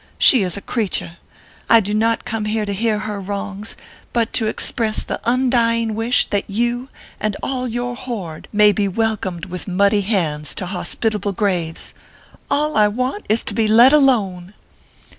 She is a creature ! I do not come here to hear her wrongs, but to express the un dying wish that you and all your horde may be wel 208 ORPHEUS C, KERR PAPERS. corned with muddy hands to hospitable graves. All I want is to be let alone."